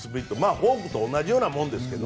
フォークと同じようなものですが。